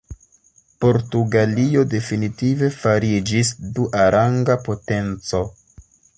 Portugalio definitive fariĝis duaranga potenco.